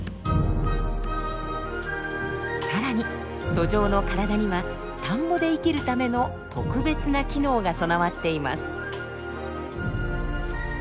さらにドジョウの体には田んぼで生きるための特別な機能が備わっています。